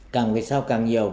càng về sau càng nhiều